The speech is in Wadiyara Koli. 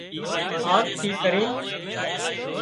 آز ٿي ڪرين